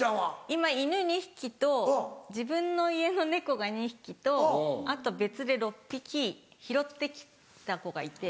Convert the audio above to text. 今犬２匹と自分の家の猫が２匹とあと別で６匹拾って来た子がいて。